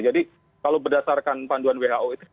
jadi kalau berdasarkan panduan who itu